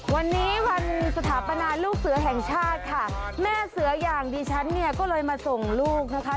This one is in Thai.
วันนี้วันสถาปนาลูกเสือแห่งชาติค่ะแม่เสืออย่างดิฉันเนี่ยก็เลยมาส่งลูกนะคะ